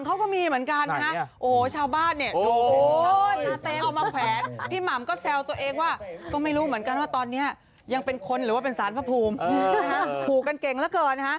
พี่หม่ำเขาก็มีเหมือนกันฮะ